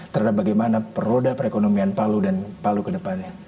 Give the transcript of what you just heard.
terhadap bagaimana peroda perekonomian palu dan palu kedepannya